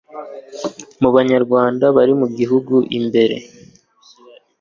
mu Banyarwanda bari mu gihugu imbere